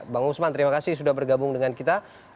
bang usman terima kasih sudah bergabung dengan kita